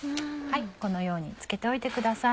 このように漬けておいてください。